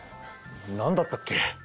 何だったっけ？